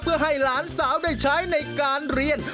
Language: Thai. เพื่อให้หลานสาวได้ใช้ในการเรียน